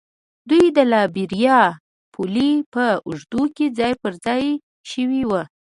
دوی د لایبیریا پولې په اوږدو کې ځای پر ځای شوي وو.